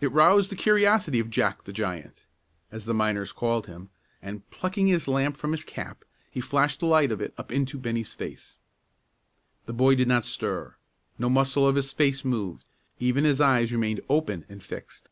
It roused the curiosity of "Jack the Giant," as the miners called him, and, plucking his lamp from his cap, he flashed the light of it up into Bennie's face. The boy did not stir; no muscle of his face moved; even his eyes remained open and fixed.